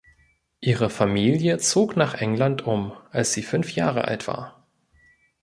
Ihre Familie zog nach England um, als sie fünf Jahre alt war.